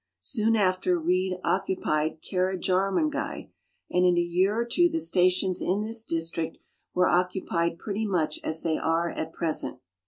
Soon after, Reid occupied Carrajarmongei, and in a year or two the stations in this district were occupied pretty much as they are at present.